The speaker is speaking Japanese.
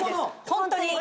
ホントに。